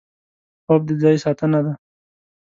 خوب د ځان ساتنه ده